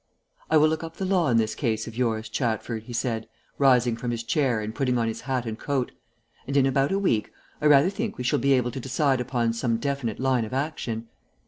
"I will look up the law in this case of yours, Chatford," he said, rising from his chair and putting on his hat and coat, "and in about a week I rather think we shall be able to decide upon some definite line of action.